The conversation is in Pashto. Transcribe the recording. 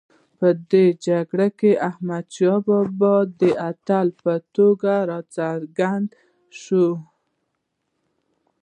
په دې جګړه کې احمدشاه بابا د اتل په توګه راڅرګند شو.